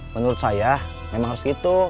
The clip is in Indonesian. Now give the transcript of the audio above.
menurut saya memang harus gitu